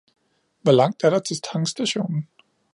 Hvor langt er der til tankstationen?